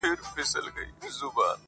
مېلمانه د دوکاندار پر دسترخوان وه،